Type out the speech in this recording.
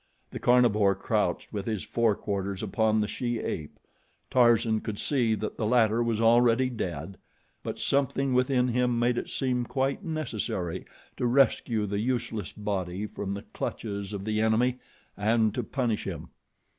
The carnivore crouched with his fore quarters upon the she ape. Tarzan could see that the latter was already dead; but something within him made it seem quite necessary to rescue the useless body from the clutches of the enemy and to punish him.